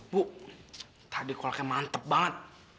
bu tadi kolnya mantep banget